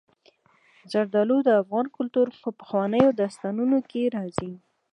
زردالو د افغان کلتور په پخوانیو داستانونو کې راځي.